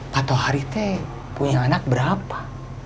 pak tohari teh punya anak berapa